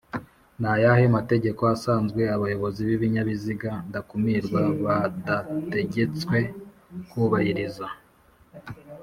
Nayahe mategeko asanzwe abayobozi b’ibinyabiziga ndakumirwa badategetse kubahiriza